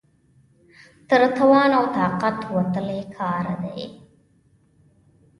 تر توان او طاقت وتلی کار دی.